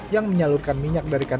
yang menyalurkan minyak dari kandungan